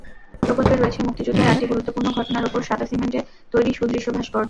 প্রকল্পে রয়েছে মুক্তিযুদ্ধের আটটি গুরুত্বপূর্ণ ঘটনার ওপর সাদা সিমেন্টে তৈরি সুদৃশ্য ভাস্কর্য।